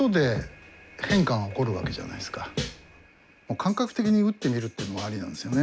感覚的に打ってみるってのもありなんですよね。